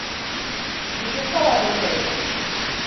Нишурта ла белмәйем!